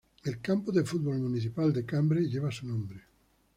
El campo de fútbol municipal de Cambre lleva su nombre.